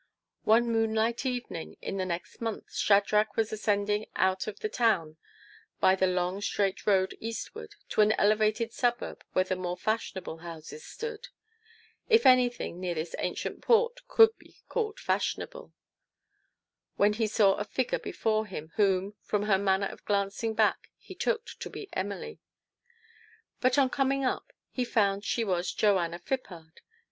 One moonlight evening in the next month Shadrach was ascending out of the town by the long straight road eastward, to an elevated suburb where the more fashionable houses stood if anything near this ancient port could be called fashionable when he saw a figure before him whom, from her manner of glancing back, he took to be Emily. But, on coming up, he found she was Joanna Phippard.